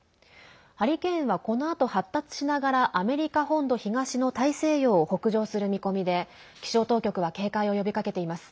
ハリケーンはこのあと発達しながらアメリカ本土東の大西洋を北上する見込みで気象当局は警戒を呼びかけています。